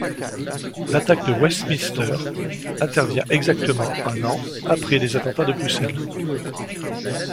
L'attaque de Westminster intervient exactement un an après les attentats de Bruxelles.